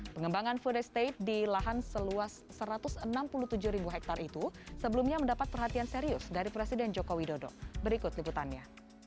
pengembangan food estate di lahan seluas satu ratus enam puluh tujuh ribu hektare itu sebelumnya mendapat perhatian serius dari presiden joko widodo berikut liputannya